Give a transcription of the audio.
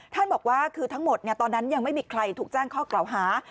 บอกว่าคือทั้งหมดตอนนั้นยังไม่มีใครถูกแจ้งข้อกล่าวหา